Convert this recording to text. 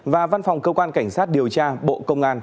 và văn phòng cơ quan cảnh sát điều tra bộ công an